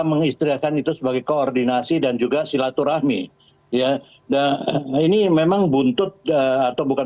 mengistriakan itu sebagai koordinasi dan juga silaturahmi ya dan ini memang buntut atau bukan